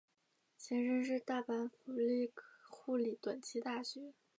前身是大阪府立护理短期大学。